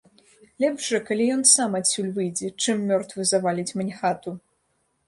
Лепш жа, калі ён сам адсюль выйдзе, чым мёртвы заваліць мне хату.